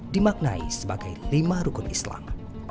dimaknai sebagai lima rukun islam